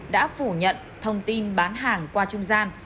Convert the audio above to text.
đã phủ nhận thông tin bán hàng qua trung gian